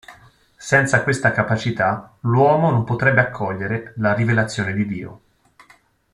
Senza questa capacità, l'uomo non potrebbe accogliere la Rivelazione di Dio.